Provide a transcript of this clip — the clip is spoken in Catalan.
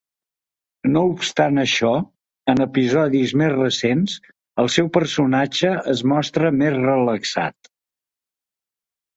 No obstant això, en episodis més recents, el seu personatge es mostra més relaxat.